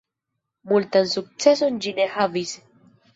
Multan sukceson ĝi ne havis.